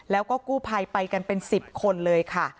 แล้วก็กู้ภัยไปกันเป็น๑๐คนเลยค่ะ